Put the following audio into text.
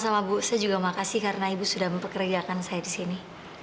sama bu saya juga makasih karena ibu sudah mempekerjakan saya di sini